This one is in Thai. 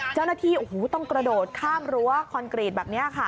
เจ้าหน้าที่โอ้โหต้องกระโดดข้ามรั้วคอนกรีตแบบนี้ค่ะ